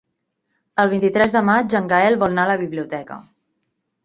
El vint-i-tres de maig en Gaël vol anar a la biblioteca.